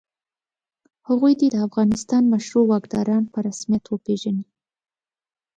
هغوی دې د افغانستان مشروع واکداران په رسمیت وپېژني.